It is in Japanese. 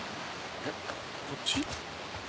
えっこっち？